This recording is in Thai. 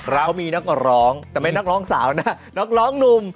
เรามีนักร้องแต่ไม่นักร้องสาวนะนักร้องหนุ่ม